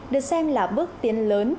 được xem là bước tiến lớn